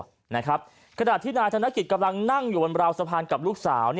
ขณะที่นายธนกิจกำลังนั่งอยู่บนราวสะพานกับลูกสาว